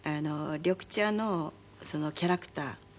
緑茶のキャラクター。